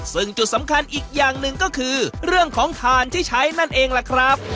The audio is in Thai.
ซึ่งจุดสำคัญอีกอย่างหนึ่งก็คือเรื่องของถ่านที่ใช้นั่นเองล่ะครับ